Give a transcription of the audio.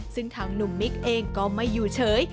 ซึ่งทางหนุ่มมิกเองก็ไม่อยู่เฉย